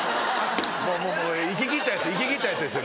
もう行ききったやつ行ききったやつですよ。